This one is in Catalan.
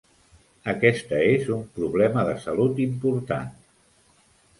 Aquesta és un problema de salut important.